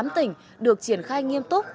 tám tỉnh được triển khai nghiêm túc